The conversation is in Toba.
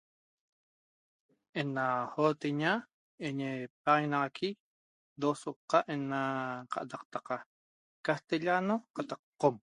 Ena jooteña iñi paxaguenaqui dosolqa ne'ena qad'aqtaqa castellano qataq Qom